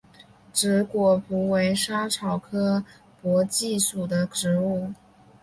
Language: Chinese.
紫果蔺为莎草科荸荠属的植物。